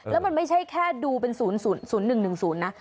แล้วมันไม่ใช่แค่ดูเป็น๐๐๑๑๐นะ